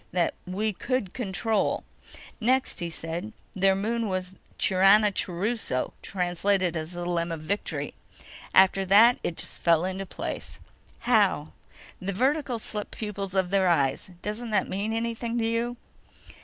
That, we could control. Next, he said their moon was Chiranachuruso, translated as The Limb of Victory. After that it just fell into place." "How?" "The vertical slit pupils of their eyes. Doesn't that mean anything to you?"